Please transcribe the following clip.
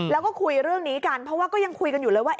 แล้วก็คุยเรื่องนี้กันเพราะว่าก็ยังคุยกันอยู่เลยว่า